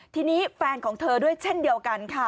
ทีนี้แฟนของเธอด้วยเช่นเดียวกันค่ะ